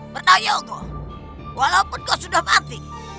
berdaya aku walaupun kau sudah mati